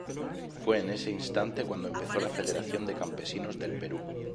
Fue en ese instante cuando empezó la federación de Campesinos del Perú.